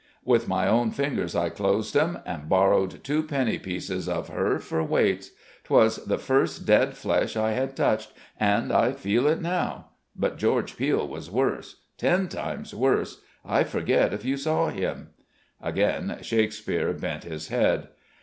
With my own fingers I closed 'em, and borrowed two penny pieces of her for weights. 'Twas the first dead flesh I had touched, and I feel it now.... But George Peele was worse, ten times worse. I forget if you saw him?" Again Shakespeare bent his head.